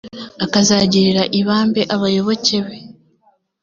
akazagirira ibambe abayoboke be.